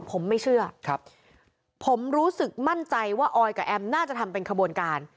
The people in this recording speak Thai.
ผมไม่เชื่อครับผมรู้สึกมั่นใจว่าออยกับแอมน่าจะทำเป็นขบวนการ